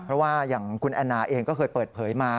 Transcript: เพราะว่าอย่างคุณแอนนาเองก็เคยเปิดเผยมา